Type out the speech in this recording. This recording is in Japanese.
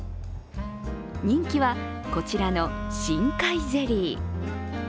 人気は、こちらの深海ゼリー。